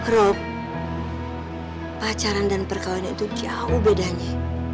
rob pacaran dan perkahwinan itu jauh bedanya